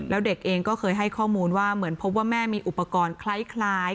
แล้วเด็กเองก็เคยให้ข้อมูลว่าเหมือนพบว่าแม่มีอุปกรณ์คล้าย